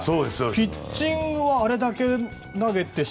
ピッチングはあれだけ投げてしまうと。